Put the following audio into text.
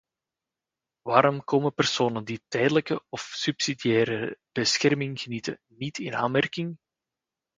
Waarom komen personen die tijdelijke of subsidiaire bescherming genieten niet in aanmerking?